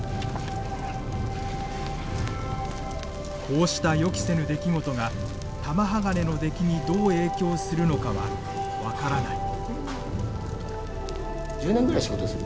こうした予期せぬ出来事が玉鋼の出来にどう影響するのかは分からない。